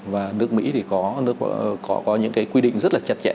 và nước mỹ thì có những quy định rất là chặt chẽ